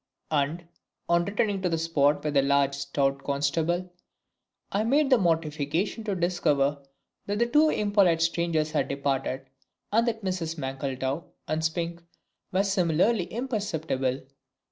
"] And, on returning to the spot with a large, stout constable, I had the mortification to discover that the two impolite strangers had departed, and that Misses MANKLETOW and SPINK were similarly imperceptible.